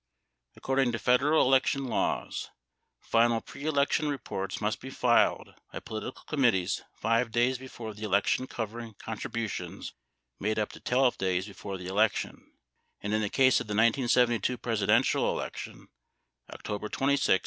According to Federal election laws, final preelection reports must be filed by political committees 5 days before the election covering contributions made up to 12 days before the election — in the case of the 1972 Presidential election, Octo ber 26, 1972.